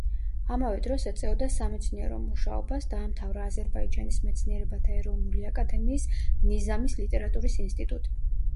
ამავე დროს ეწეოდა სამეცნიერო მუშაობას, დაამთავრა აზერბაიჯანის მეცნიერებათა ეროვნული აკადემიის ნიზამის ლიტერატურის ინსტიტუტი.